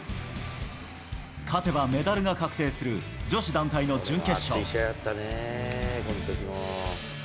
勝てばメダルが確定する女子団体の準決勝。